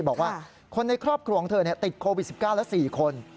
บอกว่าคนในครอบครัวของเธอติดโควิด๑๙ละ๔คน